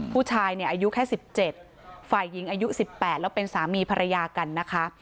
ผู้ชายเนี่ยอายุแค่๑๗ฝ่ายหญิงอายุ๑๘แล้วเป็นสามีภรรยากันนะคะ